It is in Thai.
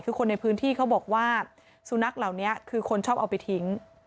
คือคนในพื้นที่เขาบอกว่าสุนัขเหล่านี้คือคนชอบเอาไปทิ้ง